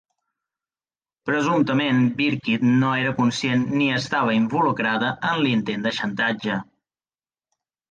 Presumptament, Birkitt no era conscient ni estava involucrada en l'intent de xantatge.